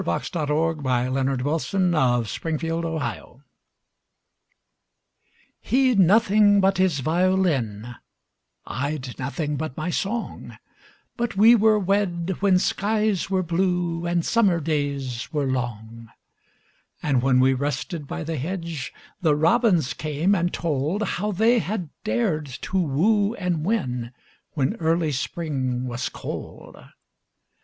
1900. By Mary KyleDallas 1181 He 'd Nothing but His Violin HE 'D nothing but his violin,I 'd nothing but my song, But we were wed when skies were blueAnd summer days were long; And when we rested by the hedge, The robins came and toldHow they had dared to woo and win, When early Spring was cold.